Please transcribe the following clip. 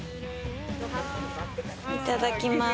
いただきます。